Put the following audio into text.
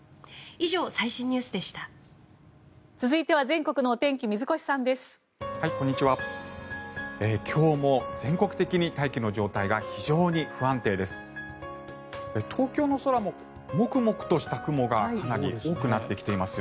今日も全国的に大気の状態が非常に不安定です。